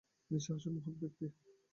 ইনি সাহসী ও মহৎ ব্যক্তি।